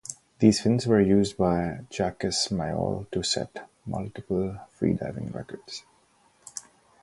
These fins were used by Jacques Mayol to set multiple freediving records.